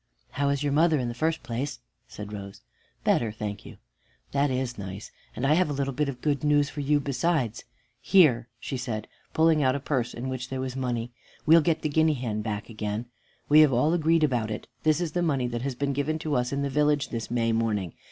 "How is your mother, in the first place?" said Rose. "Better, thank you." "That is nice, and I have a little bit of good news for you besides here," she said, pulling out a purse, in which there was money. "We'll get the guinea hen back again we have all agreed about it. This is the money that has been given to us in the village this May morning.